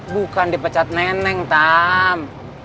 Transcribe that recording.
bukan dipecat neneng tam